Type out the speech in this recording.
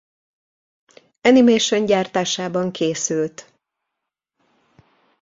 Animation gyártásában készült.